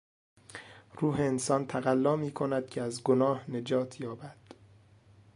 روح انسان تقلا میکند که از گناه نجات یابد.